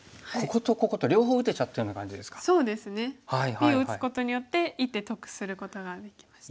Ｂを打つことによって１手得することができました。